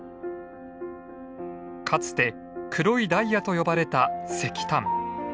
かつて黒いダイヤと呼ばれた石炭。